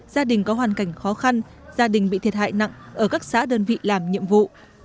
gia đình có hoàn cảnh khó khăn gia đình bị thiệt hại nặng ở các xã đơn vị làm nhiệm vụ